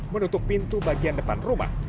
menutup pintu bagian depan rumah